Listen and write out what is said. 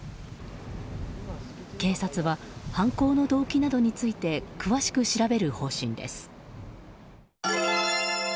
警察は犯行の動機などについて詳しく調べる方針です。